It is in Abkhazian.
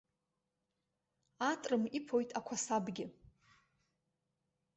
Атрым иԥоит ақәасабгьы.